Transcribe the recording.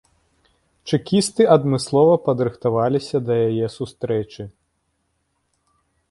Чэкісты адмыслова падрыхтаваліся да яе сустрэчы.